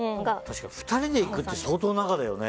２人で行くって相当な仲だよね。